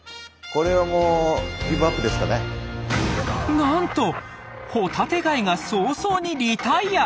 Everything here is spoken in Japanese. なんとホタテガイが早々にリタイア。